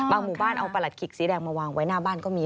หมู่บ้านเอาประหลัดขิกสีแดงมาวางไว้หน้าบ้านก็มี